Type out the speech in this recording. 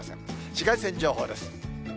紫外線情報です。